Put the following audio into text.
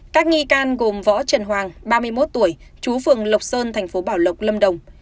các nghi can gồm võ trần hoàng ba mươi một tuổi chú phường lộc sơn thành phố bảo lộc lâm đồng